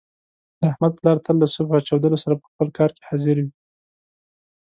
د احمد پلار تل له صبح چودېدلو سره په خپل کار کې حاضر وي.